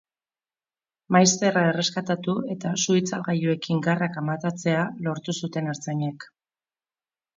Maizterra erreskatatu eta su-itzalgailuekin garrak amatatzea lortu zuten ertzainek.